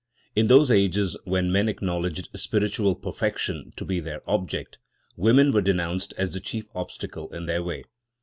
In those ages when men acknowledged spiritual perfection to be their object, women were denounced as the chief obstacle in their way.